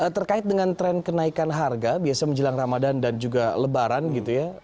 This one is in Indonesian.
terkait dengan tren kenaikan harga biasa menjelang ramadan dan juga lebaran gitu ya